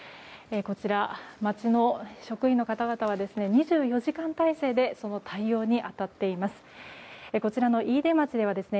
こちら、町の職員の方々は２４時間態勢でその対応に当たっています。